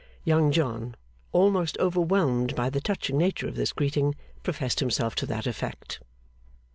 Young John, almost overwhelmed by the touching nature of this greeting, professed himself to that effect.